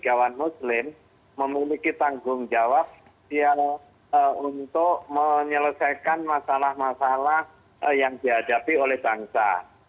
negarawan muslim memiliki tanggung jawab untuk menyelesaikan masalah masalah yang dihadapi oleh bangsa